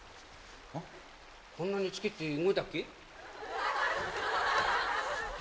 こんなに月って動いたっけ？